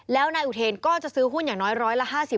แล้วนายอุเทงภายก็จะซื้อหุ้นอย่างน้อย๑๕๐บาท